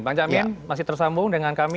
bang jamin masih tersambung dengan kami